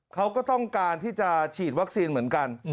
เขาก็ต้องการที่จะฉีดวัคซีนเหมือนกัน